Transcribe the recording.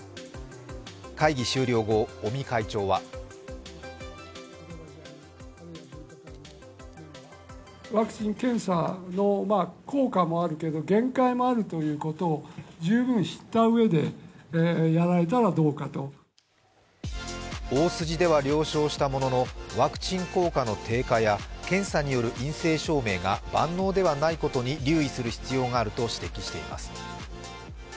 会議終了後、尾身会長は大筋では了承したもののワクチン効果の低下や検査による陰性証明が万能ではないことに留意する必要があると指摘しています。